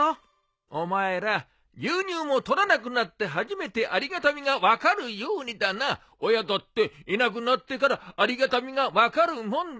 お前ら牛乳も取らなくなって初めてありがたみが分かるようにだな親だっていなくなってからありがたみが分かるもんだ。